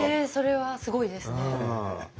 それはすごいですね。